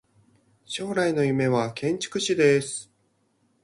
将来の夢は建築士です。